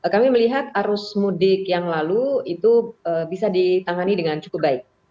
kami melihat arus mudik yang lalu itu bisa ditangani dengan cukup baik